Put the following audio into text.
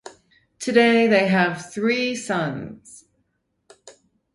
Today they have three sons.